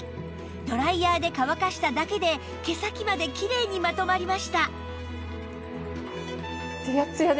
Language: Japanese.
ドライヤーで乾かしただけで毛先まできれいにまとまりました